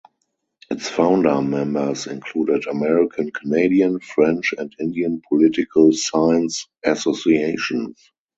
Its founder members included American, Canadian, French and Indian political science associations.